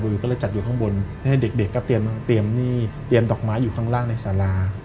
ก็เลยจัดอยู่ข้างบนให้เด็กก็เตรียมดอกไม้อยู่ข้างล่างในสารา